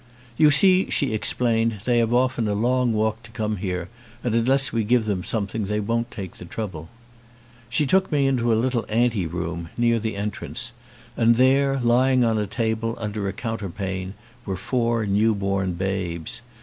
"You see," she explained, "they have often a long walk to come here and unless we give them something they won't take the trouble." She took me into a little anteroom, near the en trance, and there lying on a table under a counter pane were four new born babes.